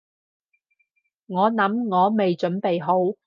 我諗我未準備好